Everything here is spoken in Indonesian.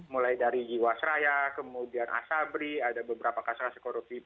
mulai dari jiwasraya kemudian asabri ada beberapa kasus kasus korupsi